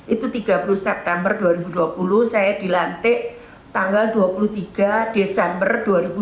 itu tiga puluh september dua ribu dua puluh saya dilantik tanggal dua puluh tiga desember dua ribu dua puluh